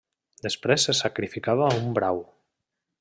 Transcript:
Després se sacrificava un brau.